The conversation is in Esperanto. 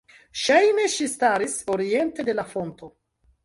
Ŝajne ŝi staris oriente de la fonto.